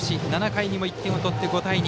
７回にも１点を取って５対２。